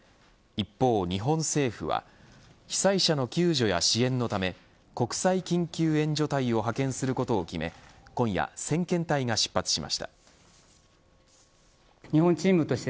一方、日本政府は被災者の救助や支援のため国際緊急援助隊を派遣することを決め今夜、先遣隊が出発しました。